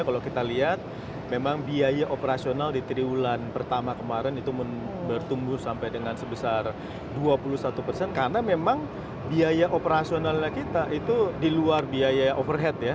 kalau kita lihat memang biaya operasional di triwulan pertama kemarin itu bertumbuh sampai dengan sebesar dua puluh satu persen karena memang biaya operasionalnya kita itu di luar biaya overhead ya